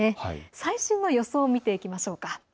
最新の予想を見ていきましょう。